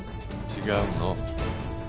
違うの。